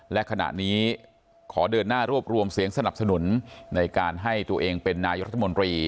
และขณะนี้ขอเดินหน้ารวบรวมเสียงสนับสนุนในการให้ตัวเองเป็นนายกรัฐมนตรี